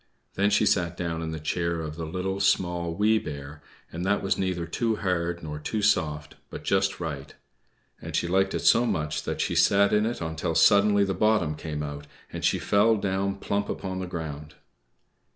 Then she sat down in the chair of the Little, Small, Wee Bear, and that was neither too hard nor too soft, but just right. And she liked it so much that she sat in it until suddenly the bottom came out, and she fell down plump upon the ground.